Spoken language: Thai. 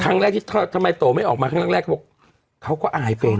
ครั้งแรกที่ทำไมโตไม่ออกมาครั้งแรกเขาบอกเขาก็อายเป็น